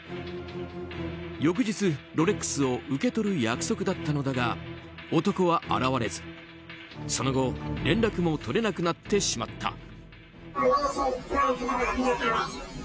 翌日、ロレックスを受け取る約束だったのだが男は現れず、その後連絡も取れなくなってしまった。